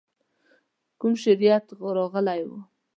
خاص شریعت راغلی و.